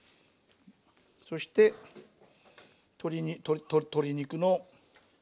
そして鶏肉の。